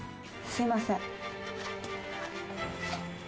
「すいません」